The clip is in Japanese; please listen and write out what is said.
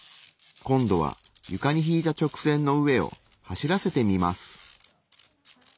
今度は床に引いた直線の上を走らせてみます。